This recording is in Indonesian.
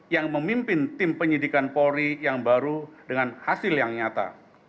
yang memimpin tim penyidikan polri yang baru dengan hasil yang nyata